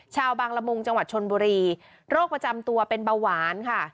ชาวบางละมุงจังหวัดชนบุรีโรคประจำตัวเป็นเบาหวานค่ะ